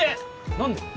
何で？